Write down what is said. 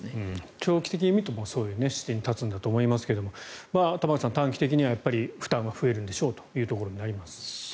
長期的に見てもそういう視点に立つんだと思いますが玉川さん、短期的には負担は増えるんでしょうとなります。